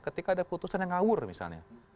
ketika ada putusan yang ngawur misalnya